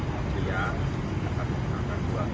sehingga setelah ini jemaah haji akan bersiap siap